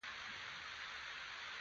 مراد علي بیګ ونیول شو.